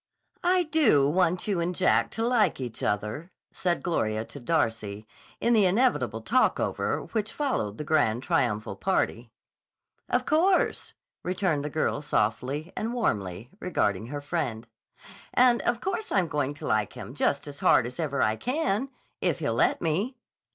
"I do want you and Jack to like each other," said Gloria to Darcy, in the inevitable talk over which followed the grand triumphal party. "Of course," returned the girl softly and warmly regarding her friend. "And of course I'm going to like him just as hard as ever I can, if he'll let me."